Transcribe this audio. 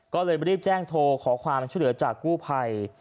ก็เลยรีบแจ้งโทรขอความช่วยเหลือจากกู้ภัย